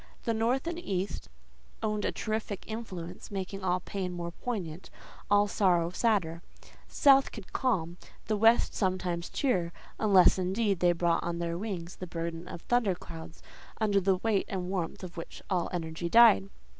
The north and east owned a terrific influence, making all pain more poignant, all sorrow sadder. The south could calm, the west sometimes cheer: unless, indeed, they brought on their wings the burden of thunder clouds, under the weight and warmth of which all energy died.